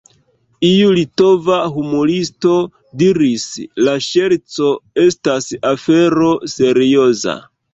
Iu litova humuristo diris: “La ŝerco estas afero serioza.